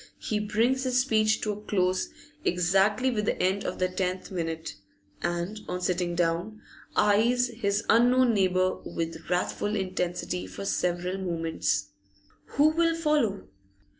He brings his speech to a close exactly with the end of the tenth minute, and, on sitting down, eyes his unknown neighbour with wrathful intensity for several moments. Who will follow?